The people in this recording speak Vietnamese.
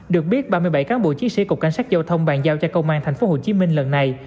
được biết ba mươi bảy cán bộ chiến sĩ cục cảnh sát giao thông bàn giao cho công an tp hcm lần này